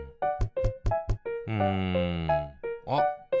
うんあっ！